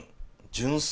純粋。